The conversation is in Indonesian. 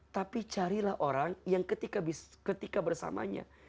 tapi carilah orang yang ketika bersamanya